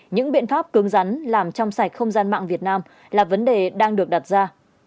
những biện pháp cứng rắn làm trong sạch không gian mạng việt nam là vấn đề đang được đặt ra